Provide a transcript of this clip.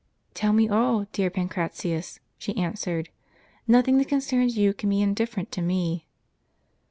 "Tell me all, dear Pancratius," she answered; "nothing that concerns you can be indifferent to me."